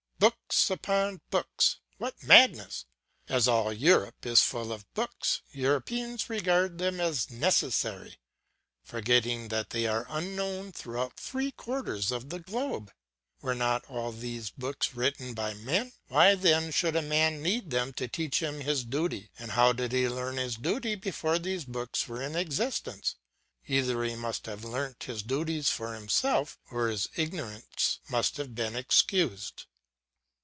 Books upon books! What madness! As all Europe is full of books, Europeans regard them as necessary, forgetting that they are unknown throughout three quarters of the globe. Were not all these books written by men? Why then should a man need them to teach him his duty, and how did he learn his duty before these books were in existence? Either he must have learnt his duties for himself, or his ignorance must have been excused.